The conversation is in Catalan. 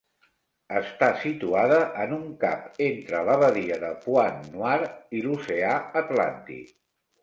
Està situada en un cap entre la badia de Pointe-Noire i l'oceà Atlàntic.